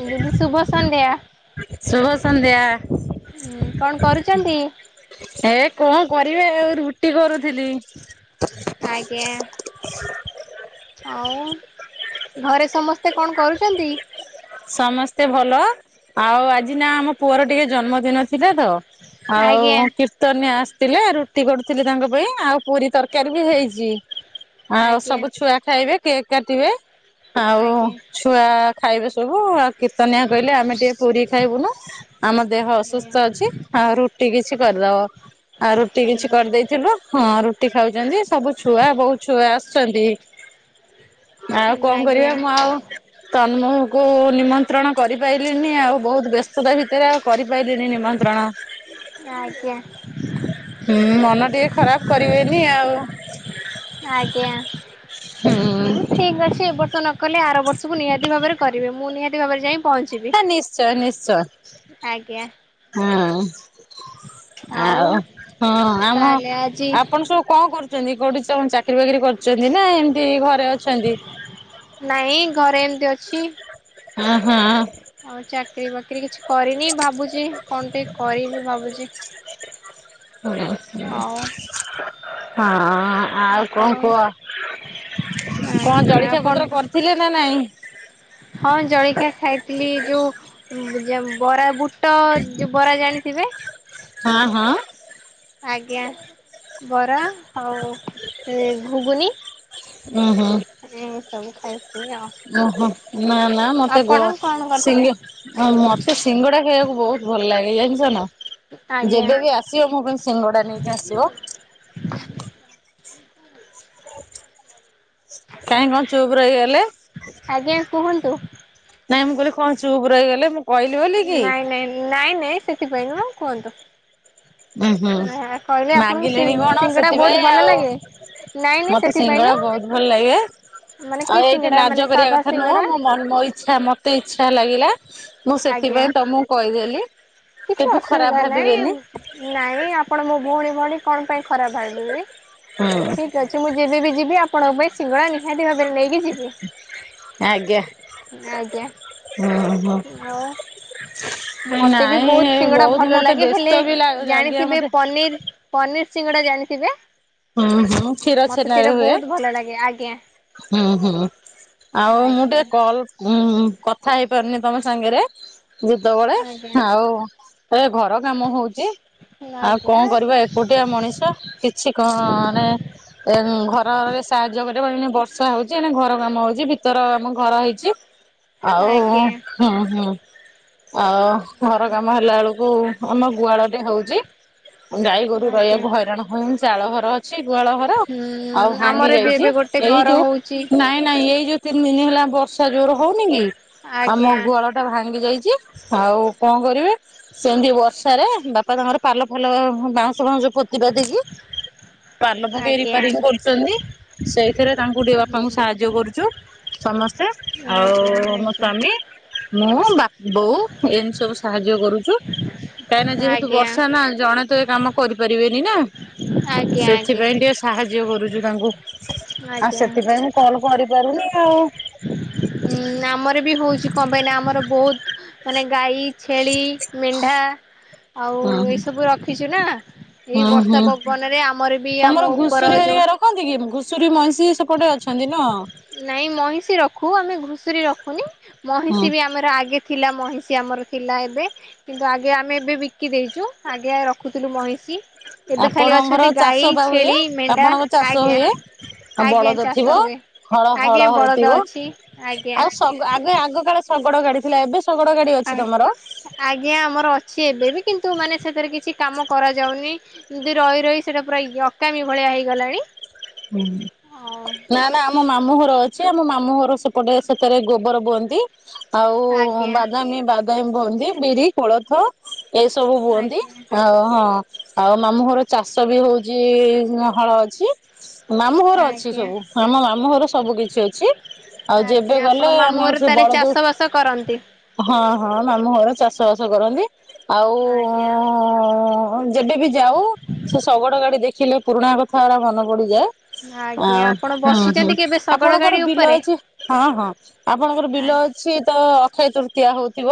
ଦିଦି ଶୁଭ ସନ୍ଧ୍ୟା। ଶୁଭ ସନ୍ଧ୍ୟା। କଣ କରୁଛନ୍ତି? ହେ କଣ କରିବେ ରୁଟି କରୁଥିଲି। ଆଜ୍ଞା। ଆଉ ଘରେ ସମସ୍ତେ କଣ କରୁଛନ୍ତି? ସମସ୍ତେ ଭଲ ଆଉ ଆଜି ନା ଆମ ପୁଅର ଟିକେ ଜନ୍ମ ନଥିଲା ତ ଆଜ୍ଞା ଆଉ କି ତନିଆ ଆସିଥିଲେ ରୁଟି କରୁଥିଲେ ତାଙ୍କ ପାଇଁ ଆଉ ପୁରୀ ତର କାରି ବି ହେଇଛି ଆଉ ଆଜ୍ଞା ସବୁ ଛୁଆ ଖାଇବେ କେକ୍ କାଟିବେ। ଆଉ ଆଜ୍ଞା ଛୁଆ ଖାଇବେ ସବୁ ଆଉ କୀର୍ତ୍ତନିଆ କହିଲେ ଆମେ ଟିକେ ପୁରୀ ଖାଇବୁନୁ। ଆମ ଦେହ ଅସୁସ୍ଥ ଅଛି ଆଉ ରୁଟି କିଛି କରିଦବ। ଆଉ ରୁଟି କିଛି ଆଜ୍ଞା କରିଦେଇଥିଲୁ ହଁ ରୁ ରୁଟି ଖାଉଛନ୍ତି ସବୁ ଛୁଆ ବୋହୂ ଛୁଆ ଆସିଛନ୍ତି। ଆଉ କଣ କରିବା ଆଜ୍ଞା ମୁଁ ଆଉ ତ ମୁଁ କୁ ନିମନ୍ତ୍ରଣ କରିପାରିଲିନି ଆଉ ବହୁତ ବ୍ୟ ସେତା ଭିତରେ ଆଉ କରିପାରିଲିନି ନିମନ୍ତ୍ରଣ। ଆଜ୍ଞା ହୁଁ ମନ ଟିକେ ଖରାପ କରିବେନି ଆଉ। ଆଜ୍ଞା ହୁଁ। ହୋଊ ଠିକ ଅଛି ଏ ବର୍ଷ ନ କଲେ ଆର ବର୍ଷକୁ ନିହାତି ଭାବରେ କରିବି ମୁଁ ନିହାତି ଭାବରେ ଯାଇ ପହଞ୍ଚିବି। ନିଶ୍ଚୟ ନିଶ୍ଚୟ ଆଜ୍ଞା ହଁ। ଆଉ ହଁ ଆମ ତାହେଲେ ଆଜି ଆପଣ ସବୁ କ କରୁ କୋଉଠି ସବ୍ ଚାକିରି ବାକିରି କରୁଛନ୍ତି ନା ଏମିତି ଘରେ ଅଛନ୍ତି। ନାଇଁ ଘରେ ଏମିତି ଅଛି। ହଁ ହଁ। ହଉ ଚାକିରୀ ବାକିରି କିଛି କରିନି ଭାବୁଛି କଣ ଟିକ କରିବି ଭାବୁଛି। [unintelligible] ହଁ। ଆଉ ଆଉ କଣ ଆପଣ କୁହ କଣ ଆଜ୍ଞା ଜଳଖିଆ ଆପଣ ପତ୍ର କରିଥିଲେ ନା ନାଇଁ। ହଁ ଜଳଖିଆ ଖାଇଥିଲି ଯୋଉ ବରା ବୁଟ ଜୋ ବରା ଜାଣିଥିବେ। ହଁ ହଁ। ଆଜ୍ଞା ବରା ଆଉ ସେ ଘୁଗୁନି। ଉଁ ହୁଁ। ଏମତି ସବୁ ଖାଏ। ଓହୋ ନା ନା ମତେ ଗ ଆପଣ କଣ କରିଥିଲେ? ସିଙ୍ଗଅ ହଁ ମତେ ସିଙ୍ଗଡା ଖାଇବାକୁ ବହୁତ ଭଲ ଲାଗେ ଜାଣିଚ ନା। ଆଜ୍ଞା। ଯେବେବି ଆସିବ ମୋ ପାଇଁ ସିଙ୍ଗଡା ନେଇକି ଆସିବ। କାହିଁ କଣ ଚୁପ ରହିଗଲେ। ଆଜ୍ଞା କୁହନ୍ତୁ। ନାଇଁ ମୁଁ କହିଲି କଣ ଚୁପୁ ରଇଗଲେ ମୁଁ କହିଲି ବୋଲି କି? ନାଇଁ ନାଇଁ ନାଇଁ ନାଇଁ ସେଥିପାଇଁ ନୁହଁ କୁହନ୍ତୁ। ଉୁ ହୁଁ କହିଲେ ଆପଣଙ୍କୁ ସି ମାଗିଲେଣି କଣ ସିଙ୍ଗଡ଼ା ବହୁତ ସେଥିପାଇଁ ଭଲ ଆଉ ଲାଗେ? ନାଇଁ ନାଇଁ ମତେ ସେଥିପାଇଁ ସିଙ୍ଗଳା ନୁହଁ ବହୁତ ଭଲ ଲାଗେ ମାନେ କି ଆଉ ଏଇଠି ସିଙ୍ଗଡ଼ା ମାନେ ଲାଜ କରିବା ସାଧା କଥା ନୁହଁ ସିଙ୍ଗଡ଼ା ମୁଁ ମୋ ଇଚ୍ଛା ମତେ ଇଚ୍ଛା ଲାଗିଲା ମୁଁ ଆଜ୍ଞା। ସେଥିପାଇଁ ତମକୁ କହିଦେଲି କିଛି ଖରାପ ଅସୁବିଧା ନାହିଁ ଭାବିବେନି। ନାଇଁ ଆପଣ ମୋ ଭଉଣୀ ଭଳି କଣ ପାଇଁ ଖରାପ ଭାବିବି। ହୁଁ ଠିକ୍ ଅଛି ମୁଁ ଯେବେବି ଯିବି ଆପଣଙ୍କ ପାଇଁ ସିଙ୍ଗଡ଼ା ନି ହାତି ଭାବରେ ନେଇକି ଯିବି ଆଜ୍ଞା। ଆଜ୍ଞା। ହୁଁ। ହୁଁ ଆଉ ମତେ ବି ନାଇଁ ବହୁତ ସିଙ୍ଗଡା ଭଲ ମତେ ଲାଗେ ବ୍ୟସ୍ତ ହେଲେ ବି ଲାଗୁ ଆଜ୍ଞା ଜାଣିଥିବେ ମତେ ପନିର ପନିର ସିଙ୍ଗଡ଼ା ଜାଣିଥିବେ? ହଁ ହଁ କ୍ଷୀର ମତେ ସେଇଟା ଛେନାରେ ହୁଏ। ବହୁତ ଭଲ ଲାଗେ ଆଜ୍ଞା। ହୁଁ ହୁଁ ଆଉ ମୁଁ ଟିକେ ଆଜ୍ଞା କଲ୍ ଉଁ ହୁଁ କଥା ହେଇପାରୁନି ତମ ସାଙ୍ଗରେ ଯେତେବେଳେ ଆଜ୍ଞା ଆଉ ଏ ଘର କାମ ହଉଛି ଆଉ ଆଜ୍ଞା କଣ କରିବା ଏ କୁଟିଆ ମଣିଷ କିଛି ଘ ମାନେ ଘର ଏନେ ଘର ସାହାଯ୍ୟ କରିବ ଏଇନା ବ ର୍ଷା ହଉଛି ଏ ନା ଘର କାମ ହଉଛି ଭିତର ଆମ ଘର ହେଇଛି ଆଉ ଆଜ୍ଞା। ହୁଁ ହୁଁ ଆଉ ଘର କାମ ହେଲା ଳକୁ ଆମ ଗୁହାଳରେ ହଉଛି ଗାଈଗୋରୁ ଆଜ୍ଞା ରହିବା ହଇରାଣ ହ ଚାଳ ଘର ଅଛି ଗୁହାଳ ଘ ହୁଁ ଆମର ବି ଏବେ ଗୋଟେ ଏଇ ଘର ଯୋଉ ହଉଚି। ନାଇଁ ନାଇଁ ଏଇ ଯୋଉ ତିନି ଦିନ ହେଲା ବର୍ଷା ଜୋର ହଉନି କି ଆମ ଆଜ୍ଞା ଗୁଆଳ ଟା ଭାଙ୍ଗି ଯାଇଛି ଆଉ କଣ କରିବେ ସେମିତି ବର୍ଷାରେ ବାପା ତାଙ୍କର ପାଲ ଫାଲ ବାଉଁଶ ଫାଉଁଶ ପୋତିିପାତିକି ପାଲ ପକେଇ ଆଜ୍ଞା ରିପେୟାରିଙ୍ଗ କରୁଛନ୍ତି, ସେଇଥିରେ ତାଙ୍କୁ ଟିକେ ଯ୍ୟ କରୁଛୁ ସମସ୍ତେ, ଆଜ୍ଞା ଆଉ-ଉ-ଉ ମୋ ଆଜ୍ଞା। ସ୍ଵାମୀ ମୁଁ ବା ବୋଉ ଏମିତି ସବୁ ସାହାଯ୍ୟ କରୁଛୁ। କାହିଁ ନା ଯେହେତୁ ଆଜ୍ଞା ବର୍ଷା ନା ଜଣେ ତ ଏ କାମ କରିପାରିବେନି ନା। ଆଜ୍ଞା ଆଜ୍ଞ୍ ସେଥିପାଇ ଟିକେ ସାହାଯ୍ୟ କରୁଚୁ ତାଙ୍କୁ। ଆଉ ଆଜ୍ଞା। ସେଥିପାଇଁ ମୁଁ କଲ୍ କରିପାରୁନି ଆଉ ଉଁ ଆମର ବି ହଉଛି କଣ ପାଇଁ ନା ଆମର ବହୁତ ମାନେ ଗାଈ ଛେଳି ମେଣ୍ଢା ଆଉ ହୁଁ ହୁଁ ଏଇସବୁ ରଖିଛୁ ନା। ଏଇ ହୁଁ ହୁଁ। ବର୍ଷା ପବନରେ ଆମର ବି ଆମ ଉପର ଯୋଉ କହନ୍ତି କି ଘୁଷୁରୀ ମଇଁଷି ସେପଟେ ଅଛନ୍ତି ନା। ନାଇଁ ମଇଁଷି ରଖୁ ଆମେ ଘୁଷୁରୀ ରଖୁନି ହୁଁ ମଇଁଷି ବି ଆମର ଆଗେ ଥିଲା ମହିଷି ଆମର ଥିଲା ଏବେ, କିନ୍ତୁ ଆଗେ ଆମେ ଏବେ ବି କି ଦେଇଚୁ, ଆଗେ ରଖୁଥୁଲୁ ମହିଷି। ଆପଣଙ୍କର ଚାଷ ବା ହୁଏ ମେଣ୍ଢା ଆପଣଙ୍କ ଚାଷ ଆଜ୍ଞା। ହୁଏ ଆ ଆଜ୍ଞା ବଳଦ ଚାଷ ଥିବ? ହୁଏ। ହଳ ଆଜ୍ଞା ହଳ ବଳଦ ହଉଥିବ ଅଛି ଆଜ୍ଞା ଆଉ ଶଗ୍ ଆଗେ ଆଗ କାଳେ ଶଗଡ ଗାଡି ଥିଲା ଏବେ ଶଗଡ ଗାଡି ଅଛି ତମର? ଆଜ୍ଞା ଆମର ଅଛି ଏବେ ବି କିନ୍ତୁ ମାନେ ସେଥିରେ କିଛି କାମ କରାଯାଉନି। ଏମିତି ରଇ ରଇ ସେଟା ପୁରା ଇ ଅକାମୀ ଭଳିଆ ହେଇଗଲାଣି। ହୁଁ। ହଉ ନା-ନା ଆମ ମାମୁଁ ଘର ଅଛି ଆମ ମାମୁଁ ଘର ସେପଟେ ସେଥିରେ ଗୋବର ବୁଅନ୍ତି। ଆଉ-ଉ-ଉ ଆଜ୍ଞା ବାଦାମୀ, ବାଦାମୀ ବୁହନ୍ତି ବିରି, କୋଳଥ ଏଇ ସବୁ ବୁହନ୍ତି ଆଜ୍ଞା ଅ ହଁ। ଆଉ ମାମୁଁ ଘର ଚାଷ ବି ହଉଛି-ଇ-ଇ ହଳ ଅଛି। ମାମୁଁ ଘର ଅଛି ଆଜ୍ଞା। ସବୁ, ହଁ ମୋ ମାମୁଁ ଘର ସବୁ କିଛି ଅଛି। ଆଉ ଆଜ୍ଞା ଯେବେ ଆପଣ ଗଲେ ମାମୁଁ ଆମେ ଘରେ ସେ ତାହେଲେ ବଳଦୁ ଚାଷ ବାସ କରନ୍ତି। ହଁ-ହଁ ମାମୁଁ ଘର ଚାଷବାସ କରନ୍ତି ଆଉ ଆଜ୍ଞା। ହଁ ଯେବେ ବି ଯାଉ ସେ ଶଗଡ଼ ଗାଡି ଦେଖିଲେ ପୁରୁଣା କଥା ହେରା ମନେ ପଡିଯାଏ‌ ଆଜ୍ଞା ଆପଣ ବସିଛନ୍ତି କେବେ ଶଗଡ଼ ଆପଣଙ୍କର ଗାଡି ବିଲ ଉପରେ? ଅଛି? ଆପଣଙ୍କର ବିଲ ଅ ଛି ତ ଅକ୍ଷୟ ତୃତୀୟା ହଉଥିବ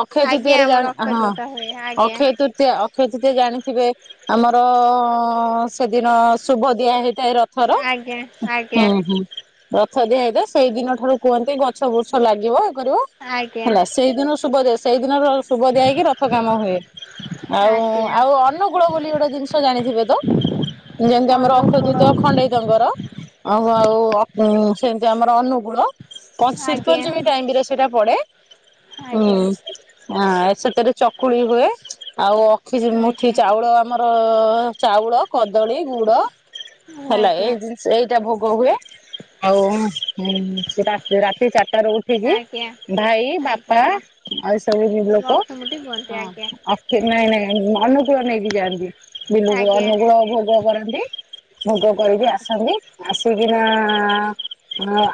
ଅକ୍ଷୟ ଆଜ୍ଞା ତୃତୀୟାରେ ଆମର ଜାଣ୍ ଅକ୍ଷୟ ହଁ ତୃତୀୟା ହୁଏ ଆଜ୍ଞା। ଅକ୍ଷୟ ତୃ ତୀୟା, ଅକ୍ଷୟ ତୃତୀୟା ଜାଣିଥିବେ ଆମର-ଅ-ଅ-ଅ-ଅ-ଅ ସେଦିନ ଶୁଭ ଦିଆ ହେଇଥାଏ ର ଥର ଆଜ୍ଞା ଆଜ୍ଞା ହୁଁ ହୁଁ। ରଥ ଦିଆ ହେଇଥାଏ ସେଇ ଦିନ ଠାରୁ କୁହନ୍ତି ଗଛ ବୃଛ ଲାଗିବ ଏ କରିବ। ଆଜ୍ଞା। ସେଇ ଦିନ ଶୁଭ ଦେ, ସେଇ ଦିନ ଶୁଭ ଦିଆ ହେଇକି ରଥ କାମ ହୁଏ। ଆଉ, ଆଜ୍ଞା ଆଉ ଅନୁକୂଳ ବୋଲି ଗୋଟେ ଜିନିଷ ଜାଣିଥିବ ତ ଯେମିତି ଆମର [unintelligible] ଅଦ୍ୟୁତ ଅନୁକୂଳ ଖଣ୍ଡେଇତଙ୍କର, ଆଉ ଆଉ ଅ-ଅ ସେମିତି ଆମର ଅନୁକୂଳ। ପଞ୍ଚ୍ ଆଜ୍ଞା ଶ୍ରୀପଞ୍ଚମୀ ଟାଇମ୍ ରେ ସେଇଟା ପଡେ ହୁଁ। ଆଜ୍ଞା ଆଁ ସେଥିରେ ଚକୁଳି ହୁଏ ଆଉ ଅକ୍ଷି ଯେ ମୁଠି ଆଜ୍ଞା ଚାଉଳ ଆମ ର-ଅ-ଅ-ଅ ଚାଉଳ କଦଳୀ ଗୁଡ ହେଲା ଏ ଆଜ୍ଞା ଜି ସେଇଟା ଭୋଗ ହୁଏ ଆଉ ରାତି ଚାରିଟା ରୁ ଉଠିକି ଆଜ୍ଞା ଭାଇ, ବାପା ଆଜ୍ଞା ଆଉ ସବୁ [unintelligible] ଲୋକ କୁହନ୍ତୁ ହଁ ଆଜ୍ଞା। ନାଇଁ ନାଇଁ ଅନୁକୂଳ ନେଇକି ଯାଆନ୍ତି ବିଲୁକୁ ଆଜ୍ଞା ଅନୁକୂଳ ଭୋଗ କରନ୍ତି ଭୋଗ କରିକି ଆଜ୍ଞା ଆସନ୍ତି ଆସିକିନା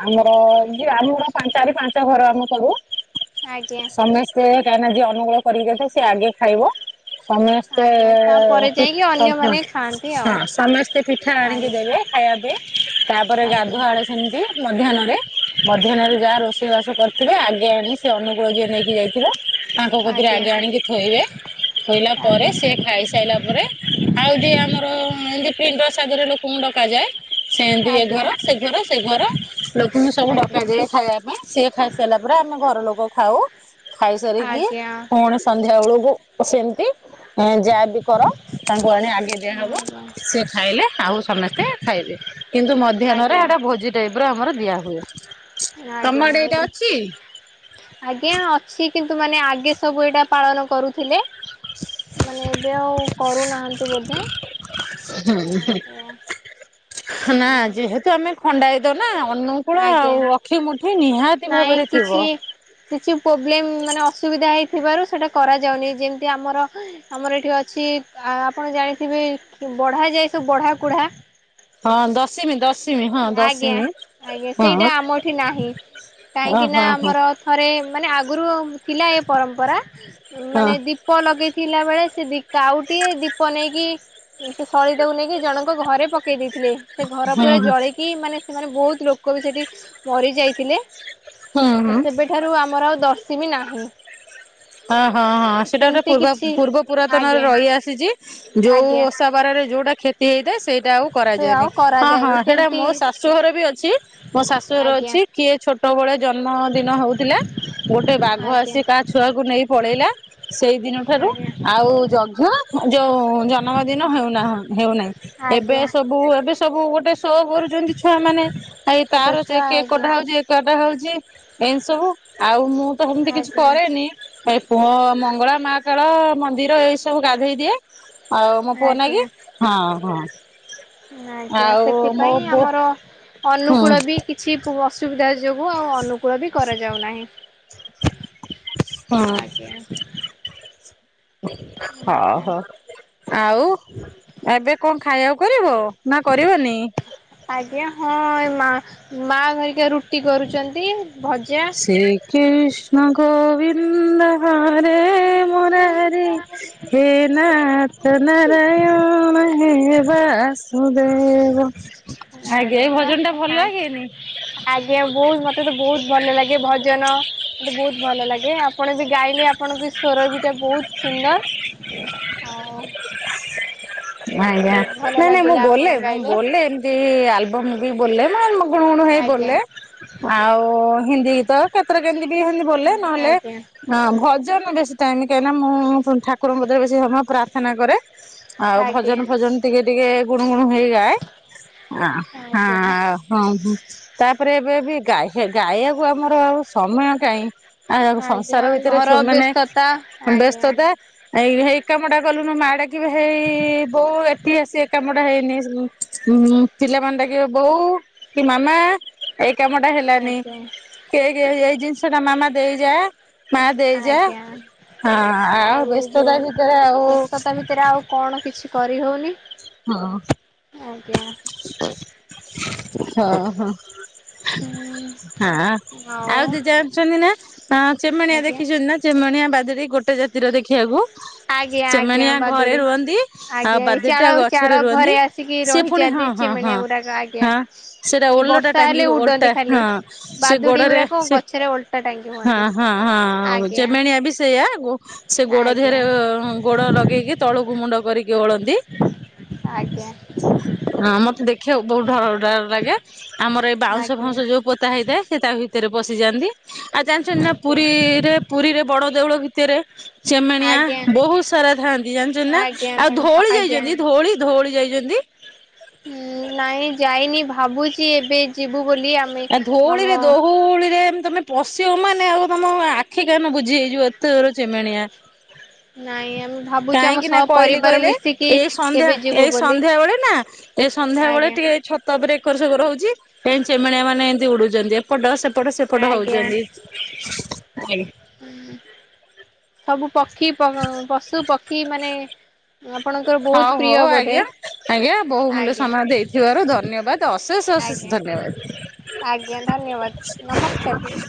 ଆମର ଯିଏ ଆମର ଚାରି ପାଞ୍ଚ ଘର ଆମେ କରୁ ଆଜ୍ଞା ସମେ ସେ କାହିଁକି ନା ଯିଏ ଅନୁକୂଳ କରିକି ଯାଇଥାଏ ସିଏ ଆଗେ ଖାଇବ ସମେସ୍ତେ ଆଜ୍ଞା ତାପରେ ପି ଯାଇକି ହଁ ଅନ୍ୟମାନେ ଖାଆନ୍ତି ଆଉ ସମସ୍ତେ ପଠା ଆଣିକି ଆଜ୍ଞା ଦେବେ ଖାଇବା ପାଇଁ ତାପରେ ଆଜ୍ଞା ଗାଧୁଆ ଆ ସେମିତି ମଧ୍ୟାହ୍ନରେ ମଧ୍ୟାହ୍ନରେ ଯାହା ରୋଷେଇବାସ କରିଥିବେ ଆଗେ ଆଣି ସେ ଅନୁକୂଳ ଯିଏ ନେଇକି ଯାଇଥିବେ ତାଙ୍କ କଥିରେ ଆଜ୍ଞା ଆଗେ ଆଣିକି ଥୋଇବେ ଥୋଇଲା ପରେ ଆଜ୍ଞା ସେ ଖାଇସାଇଲା ପରେ ଆଉ ଦି ଆମର ଏମତି ପିଣ୍ଡ ଶ୍ରାଧ ରେ ଲୋକଙ୍କୁ ଡକାଯାଏ ସେନ୍ତି ଏ ଘର ଆଜ୍ଞା ଆଜ୍ଞା ଆଜ୍ଞା ସେ ଘର ସେ ଘର ଲୋକଙ୍କୁ ସବୁ ଆଜ୍ଞା ଡକାଯାଏ ଖାଇବା ସେ ଖାଇସାଇଲା ପରେ ଆମେ ଘର ଲୋକ ଖାଉ ଖାଇସାରିକି ଫୁଣି ସନ୍ଧ୍ୟା ବେଳକୁ ସେମିତି ଯାହା ବିି କର ତାଙ୍କୁ ଆଣି ଆଗେଇ ଦିଆହବ ସେ ଖାଇଲେ ଟୁ ସମସ୍ତେ ଖାଇବେ କିନ୍ତୁ ମଧ୍ୟାହ୍ନରେ ଆଜ୍ଞା ହେଟା ଭୋଜି ଟାଇପ ର ଆମର ଦିଆ ହୁଏ। ତମ ଆଡ଼େ ଏଇଟା ଅଛି? ଆଜ୍ଞା ଅଛି କିନ୍ତୁ ମାନେ ଆଗେ ସବୁ ଏଇଟା ପାଳନ କରୁଥିଲେ ମାନେ ଏବେ ଆଉ କରୁନାହାଁନ୍ତି ବୋଧେ। ଆଜ୍ଞା ହୁଁ ନା ଯେହେତୁ ଆମେ ଖଣ୍ଡାୟତ ନା ଅନୁକୂଳ ଆଜ୍ଞା ଆଉ ଅଖି ମୁଠି ନିହାତି ନାଇଁ ଭାବରେ କିଛି ଥିବ। କିଛି ପ୍ରୋବ୍ଲେମ ମାନେ ଅସୁବିଧା ହେଇଥିବାରୁ ସେଇଟା କରାଯାଉନି ଯେମିତି ଆମର ଏ ଆମର ଏଠି ଅଛି ଆ ଆପଣ ଜାଣିଥିବେ ବଢା ଯାଏ ସବୁ ବଢା କୁଢା ହଁ ଦଶମୀ ଦଶ ଆଜ୍ଞା ଆଜ୍ଞା ସେଇଟା ଆମଠି ନାହିଁ ଓହୋ ହଁ କାହିଁକି ନା ହଁ ଆମର ଥରେ ମାନେ ଆଗରୁ ଥିଲା ଏ ପରମ୍ପରା ମାନେ ଦୀ ଦୀପ ଲଗେଇଥିଲା ବେଳେ ସେ ଦୀ ଆଉ ଟିକେ ଦୀପ ନେଇକି ସେ ଶଳିତା କୁ ନେଇକି ଜଣଙ୍କ ଘରେ ପକେଇ ଦେଇ ଥିଲେ ସେ ଘର ପୁରା ହଁ ଜଳକି ମାନେ ସେମାନେ ବହୁତ ଲୋକ ବି ସେଠି ମରି ଯାଇଥିଲେ। ହଁ ହଁ ସେବେଠାରୁ ଆମର ଆଉ ଦଶମୀ ନାହିଁ। ହଁ ହଁ ହଁ ସେଟା ଗୋଟେ ସେମିତି ପୂର୍ବ କିଛି ପୂର୍ବ ପୁରାତନରେ ଆଜ୍ଞା ରହିଆସିଚି ଆଜ୍ଞା ଯୋଉସା ବାରରେ ଯୋଉଟା କ୍ଷତି ହେଇଥାଏ ସେଇଟା ଆଉ ସେ କରାଯାଏନି ଆଉ ହଁ ହଁ କରାଯାଏନି ସେଇଟା ସେମିତି ମୋ ଶାଶୁଘର ବି ଅଛି। ମୋ ଶାଶୁଘର ଆଜ୍ଞା ଅଛି କିଏ ଛୋଟ ବେଳେ ଜନ୍ମ ଦିନ ହଉଥିଲା ଗୋଟେ ବାଘ ଆଜ୍ଞା ଆସି କା ଛୁଆ କୁ ନେଇ ପଳେଇ ସେଇଦିନ ଠାରୁ ଆଜ୍ଞା ଆଉ ଜଘ୍ୟ ଯଉ ଜ ନ ଦିନ ହେଉନା ହେଉନାହିଁ। ଏବେ ଆଜ୍ଞା ସବୁ ଏବେ ସବୁ ଗୋଟେ ସୋ କରୁଛନ୍ତି ଛୁଆ ମାନେ ଏଇ ଛୋଟ ତାର ଅ ସେ ଛୁଆ କିଏ ଆଜ୍ଞା କଟା ହଉଚି ଟା ହଉଛି ଏମ ସବୁ ଆଉ ମୁଁ ତ ହେମିତି କିଛି ଆଜ୍ଞା କରେନି ଏ ପୁଅ ମଙ୍ଗଳା ମାହାକାଳ ମନ୍ଦିର ଏଇ ସବୁ ଗାଧେଇ ଦିଏ ଆଉ ମୋ ପୁଅ ଆଜ୍ଞା ନାଗି ହଁ ହଁ ଆଜ୍ଞା ଆଉ ମୋ ସେଥିପାଇଁ ବୋ ଆମର ହୁଁ ଅନୁକୂଳ ବି କିଛି ଅସୁବିଧା ଯୋଗୁ ଆଉ ଅନୁକୂଳ ବି କରାଯାଉ ନାହିଁ। ହୁଁ ଆଜ୍ଞା। ହଁ ଆଜ୍ଞା ହୋ। ଆଉ ଏବେ କଣ ଖାଇବାକୁ କରିବ ନା କରିବନି? ଆଜ୍ଞା ହଁ ମା ମା ଧରିକି ରୁଟି କରୁଛନ୍ତି ଭଜା। ଶ୍ରୀକୃଷ୍ଣ ଗୋବିନ୍ଦରେ ମରାର ହେ ନାଥ ଆରେ ନାରାୟଣ ହେ ବାସ। ଦେ ଆଜ୍ଞା ଏ ବା ଭଜନ ଟା ଭଲ ଲାଗେନି। ଆଜ୍ଞା ବହୁତ ମତେ ତ ବହୁତ ଭଲ ଲାଗେ ଭଜନ। ମତେ ବହୁତ ଭଲ ଲାଗେ ଆପଣ ବି ଗାଇଲେ ଆପଣଙ୍କ ସଵର ବିଟା ବହୁତ ସୁନ୍ଦର। ଆଉ ଆଜ୍ଞା ବହୁତ ଭଲ ନାଇଁ ନାଇଁ ମୁଁ ଲାଗିଲା ବୋ ଆପଣ ମୁଁ ଗାଇଲେ ବୋ ଏମିତି ଆଲବମ ବି ବୋଲେ ମେ ଗୁଣ ଗୁଣ ହେଇି। ଆଜ୍ଞା ବୋଲେ ଆଉ ହିନ୍ଦୀ ତ କେତେଟ କେମତି ବି ହିନ୍ଦ ବୋ ନହେଲେ। ଆଜ୍ଞା। ହଁ ଭଜନ ବେଶୀ ଟାଇମ କାହିଁକିନା ମୁଁ ଠାକୁରଙ୍କ ମଧ୍ୟରେ ବେଶୀ ହମା ପ୍ରାର୍ଥନା କରେ ଆଉ ଭଜନ ଆଜ୍ଞା ଫଜନ ଟିକେ ଟିକେ ଗୁଣୁ ଗୁଣୁ ହେଇଯାଏ ହଁ ଆଉ। ଆଜ୍ଞା ହଁ ହଁ ତାପରେ ଏବେ ବି ଗାଈ ଗଈବାକୁ ଆମର ଆଉ ସମୟ କାହିଁ। ଆଉ ସଂସାର ଆଜ୍ଞା ଭିତରେ ଘର ଛୋମାନେ ବ୍ୟସ୍ତତା ଆଜ୍ଞା। ବ୍ୟସ୍ତତା ଏଇ ହେଇ କାମଟା କଲୁନ ମାଡା କି ହେଇ ବୋଉ ଏଠି ଆସି ଏକ କାମଟା ହେଇନି। ଉ ପିଲାମାନେ ଟା କି ବୋଉ କି ମାମା ଏଇ କାମ ଟା ହେଲାନି। ଆଜ୍ଞା କି କି ଏଇ ଜିନିଷ ଟା ମାମା ଦେଇଯାଏ ମା ଦେଇଯା ଆଜ୍ଞା ହଁ ଆଉ ବ୍ୟସ୍ତତା ଭିତରେ ଆଉ। ସେଥିରେ ଆଉ କଣ କିଛି କରିହଉନି। ହଁ ହଁ ହଁ ହୁଁ ହଁ ଆଉ ଦି ଜାଣୁଛନ୍ତି ନା। ହଁ ଚେମଣିଆ ଆଜ୍ଞା ଦେଖିଛୁ ନା ଚେମଣିଆ ବାଦରେ ଗୋଟେ ଜାତିର ଦେଖିବାକୁ। ଆଜ୍ଞା ଆଜ୍ଞା ସେମାନେଣିଆ ଘରେ ବାଦୁଡି। ରୁହନ୍ତି ଆଉ ଆଜ୍ଞା ଏଇ ଚାଳ ବାଦଟା ଗ ଚାଳ ରେ ରୁହନ୍ତି ଘରେ ଆସିକି ସେି ପୁଣି ରହିଛନ୍ତି ହଁ ହଁ ହଁ ଚିମିଣିଆ ଗୁଡାକ ହ ଆଜ୍ଞା। ସେଟା ଏଇ ଓଲଟା ବର୍ଷା ହେଲେ ଟାଙ୍ଗ ଓଲଟା ଉଡନ୍ତି ହଁ ଖାଲି। ସେ ବାଦୁଡି ଗୋଡରେ ଗୁରାକ ସେ ଗଛରେ ଓଲଟା ଟାଙ୍ଗି ହଁ ହୁଅନ୍ତି ହଁ ହଁ ଆଜ୍ଞା। ଜମେଣିଆ ବି ସେଇଆ ସେ ଗୋଡ ଆଜ୍ଞା ଦେହରେ ଗୋଡ ଲଗେଇକି ତଳକୁ ମୁଣ୍ଡ କରିକି ଓଳନ୍ତି। ଆଜ୍ଞା। ହଁ ମତେ ଦେଖିବାକୁ ବହୁତ ଡର ଡର ଲାଗେ ଆମର ଏଇ ବାଉଁଶ ଆଜ୍ଞା ଆଜ୍ଞା ଫାଉଉଁଶ ଯୋଉ ପୋତା ହେଇଥାଏ ସେ ତା ଭିତରେ ପଶିଯାଆନ୍ତି ଆଉ ଜାଣିଛନ୍ତି ନା ଆଜ୍ଞା। ପୁରୀରେ ପୁରୀରେ ବଡ ଦେଉଳ। ଭିତରେ ଚେମେଣିଆ ଆଜ୍ଞା ବହୁତ ସାରା ଥାଆନ୍ତି ଜାଣିଛନ୍ତି ନା ଆଉ ତାଙ୍କ ଧୋଳି ଆଜ୍ଞା। ଯାଇଛନ୍ତି ଧଳି ଧଉଳି ଯାଇଛନ୍ତି। ହୁଁ ନାଇଁ ଯାଇନି ଭାବୁଛି ଏବେ ଯିବୁ ବୋଲି। ଆମେ ଆ ଆମ ଧଉଳି ରେ ଧଉଳି ରେ ତମେ ପଶିବ ମାନେ ଆଉ ତମ ଆଖି କାନ ବୁଝି ହେଇଯିବ ଏତେର ଜୋର ଚିମେଣିଆ ନାଇଁ ଆମେ ଭାବୁଛୁ ଆମ କାହିଁକି ନା ସହ କହିଲି ପରିବାର କହିଲେ ମିଶିକି ଏଇ ସନ୍ଧ୍ୟା କେବେ ଯିବୁ ଏଇ ବୋଲି। ସନ୍ଧ୍ୟା ବେଳେ ନା ଏଇ ସନ୍ଧ୍ୟା ବେଳେ ଆଜ୍ଞା ଟିକେଏଇ ଛ ଛାତ ଉପରେ ଏକର ସେକର ହୋଉଛି ଏ ଚେମେଣିଆ ମାନେ ଏମିତି ଉଡୁଛନ୍ତି ଏପଟ ସେପଟ ସେପଟ ଆଜ୍ଞା ହଉଛନ୍ତି। [unintelligible] ସବୁ ପକ୍ଷୀ ପଶୁ ପକ୍ଷୀ ମାନେ। ଆପଣଙ୍କର ବହୁତ ହଉ ପ୍ରିୟ ହଉ ବୋଧେ ଆଜ୍ଞା ଆଜ୍ଞା ବହୁମୂଲ୍ୟ ଆଜ୍ଞା ସମୟ ଦେଇଥିବାରୁ ଧନ୍ୟବାଦ। ତ ଅଶେଷ ଆଜ୍ଞା ଅଶେଷ ଧନ୍ୟବାଦ। ଆଜ୍ଞା ଧନ୍ୟବାଦ ନମସ୍କାର ଦୀ